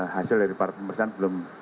hasil dari pemeriksaan belum